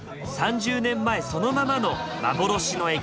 ３０年前そのままの幻の駅。